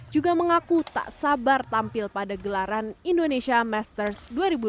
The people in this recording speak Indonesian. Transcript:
juga mengaku tak sabar tampil pada gelaran indonesia masters dua ribu dua puluh